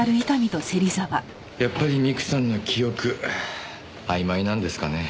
やっぱり美久さんの記憶あいまいなんですかね。